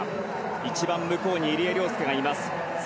一番向こうに入江陵介がいます。